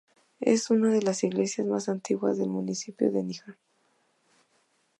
Es una de las iglesias más antiguas del municipio de Níjar.